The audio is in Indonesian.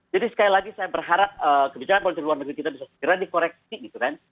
jadi sekali lagi saya berharap kebijakan dari luar negeri kita bisa segera dikoreksi gitu kan